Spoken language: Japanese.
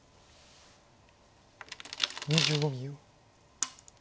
２５秒。